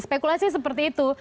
spekulasi seperti itu